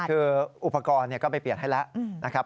คืออุปกรณ์ก็ไปเปลี่ยนให้แล้ว